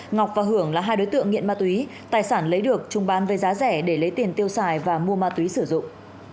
ngọc và hưởng là hai đối tượng nghiện ma túy tài sản lấy được trung bán với giá rẻ để lấy tiền tiêu xài và mua ma túy sử dụng